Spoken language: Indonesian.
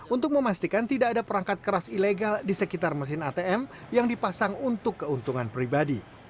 untuk memastikan tidak ada perangkat keras ilegal di sekitar mesin atm yang dipasang untuk keuntungan pribadi